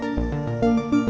kamu sudah itu